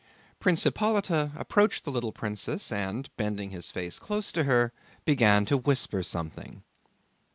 Prince Hippolyte approached the little princess and, bending his face close to her, began to whisper something.